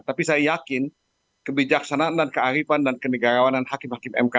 tapi saya yakin kebijaksanaan dan kearifan dan kenegarawanan hakim hakim mk